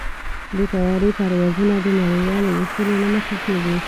د طیارې پروازونه د نړیوالو اصولو له مخې کېږي.